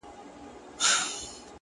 • زه د جانان میني پخوا وژلې ومه,